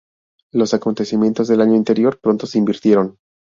Los acontecimientos del año anterior pronto se invirtieron.